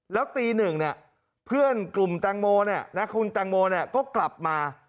แล้วตี๑เพื่อนกลุ่มจังโมก็กลับมา